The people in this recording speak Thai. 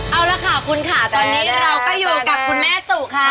เอาละค่ะคุณค่ะตอนนี้เราก็อยู่กับคุณแม่สุค่ะ